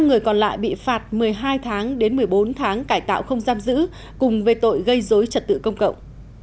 năm người còn lại bị phạt một mươi hai tháng đến một mươi bốn tháng cải tạo không giam giữ cùng về tội gây dối trật tự công cộng